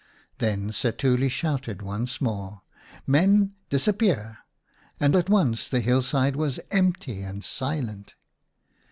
Then Setuli shouted once more, " Men, dis appear !" and at once the hillside was empty and silent.